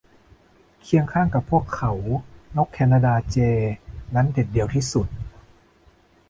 เคียงข้างกับพวกเขา นกแคนาดาเจย์นั้นเด็ดเดี่ยวที่สุด